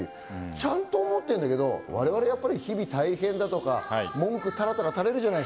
ちゃんと思っているんだけれども、我々は日々大変だとか文句タラタラ垂れるじゃない。